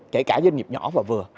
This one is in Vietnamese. kể cả doanh nghiệp nhỏ và vừa